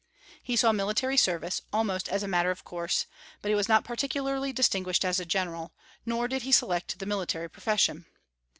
He saw military service, almost as a matter of course; but he was not particularly distinguished as a general, nor did he select the military profession.